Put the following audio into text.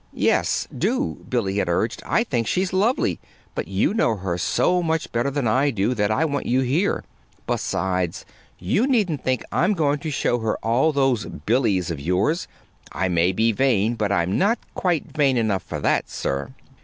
"Yes, do," Billy had urged. "I think she's lovely, but you know her so much better than I do that I want you here. Besides, you needn't think I'm going to show her all those Billys of yours. I may be vain, but I'm not quite vain enough for that, sir!"